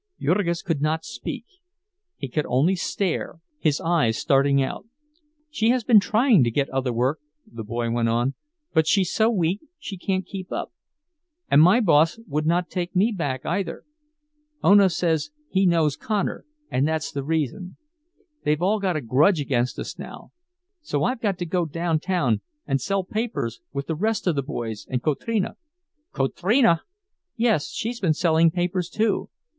Jurgis could not speak; he could only stare, his eyes starting out. "She has been trying to get other work," the boy went on; "but she's so weak she can't keep up. And my boss would not take me back, either—Ona says he knows Connor, and that's the reason; they've all got a grudge against us now. So I've got to go downtown and sell papers with the rest of the boys and Kotrina—" "Kotrina!" "Yes, she's been selling papers, too.